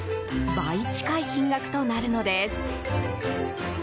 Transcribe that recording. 倍近い金額となるのです。